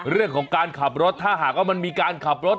เรื่องของการขับรถถ้าหากว่ามันมีการขับรถ